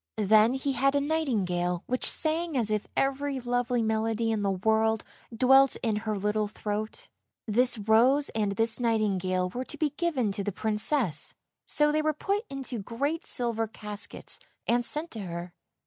Then he had a nightingale which sang as if every lovely melody in the world dwelt in her little throat. This rose and this nightingale were to be given to the Princess, so they were put into great silver caskets and sent to her.